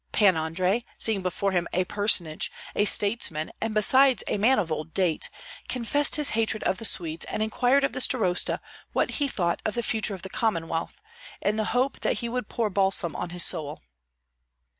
Pan Andrei, seeing before him a personage, a statesman, and besides a man of old date, confessed his hatred of the Swedes, and inquired of the starosta what he thought of the future of the Commonwealth, in the hope that he would pour balsam on his soul.